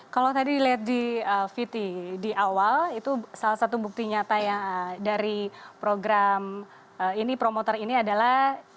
kalau tadi dilihat di vt di awal itu salah satu bukti nyata yang dari program ini promoter ini adalah